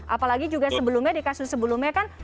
apalagi juga sebelumnya di kasus sebelumnya kan